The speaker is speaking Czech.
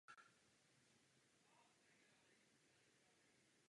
Po druhé světové válce se věnoval téměř výhradně filmu.